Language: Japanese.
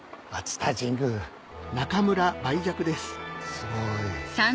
すごい。